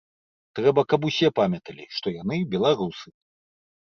Трэба, каб усе памяталі, што яны беларусы.